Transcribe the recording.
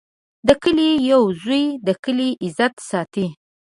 د کلي یو زوی د کلي عزت ساتي.